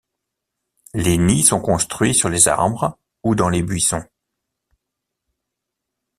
Les nids sont construits sur les arbres ou dans les buissons.